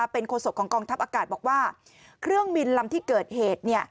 เป็นโฆษกของกองทัพอากาศบอกว่าเครื่องบินลำที่เกิดเหตุ